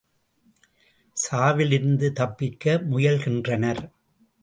சாவிலிருந்து தப்பிக்க முயல்கின்றனர்.